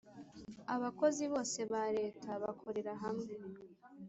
Abakozi bose bareta bakorera hamwe.